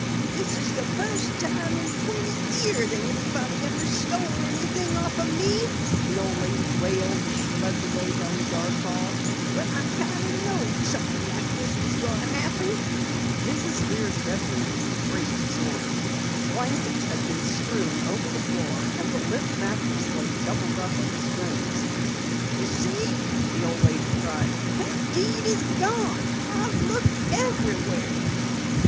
"This is the fust time in twenty years that anyone ever stole anything off me," the old lady wailed as she led the way down the dark hall. "But I kinda knowed somethin' like this was goin' to happen." Mrs. Lear's bedroom was in great disorder. Blankets had been strewn over the floor and the limp mattress lay doubled up on the springs. "You see!" the old lady cried. "The deed's gone! I've looked everywhere."